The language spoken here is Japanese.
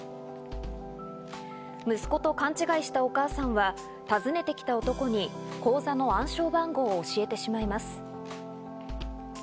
息子と勘違いしたお母さんは、訪ねてきた男に口座の暗証番号を教えてしまいます。